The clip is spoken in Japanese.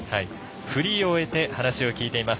フリーを終えて話を聞いています。